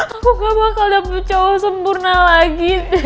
aku gak bakal dapet cowok sempurna lagi